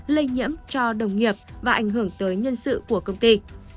lây nhiễm cho đồng nghiệp và ảnh hưởng tới nhân sự của công ty